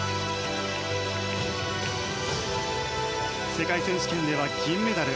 世界選手権では銀メダル。